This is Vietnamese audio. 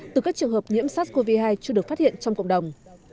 từ các trường hợp nhiễm sars cov hai chưa được phát hiện trong cộng đồng